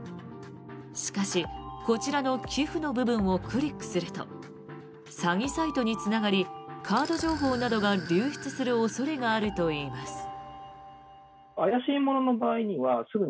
しかし、こちらの寄付の部分をクリックすると詐欺サイトにつながりカード情報などが流出する恐れがあるといいます。